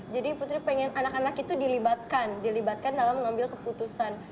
jadi putri pengen anak anak itu dilibatkan dilibatkan dalam mengambil keputusan